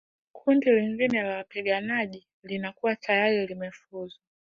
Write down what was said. Kundi lingine la wapiganaji linakuwa tayari limefuzu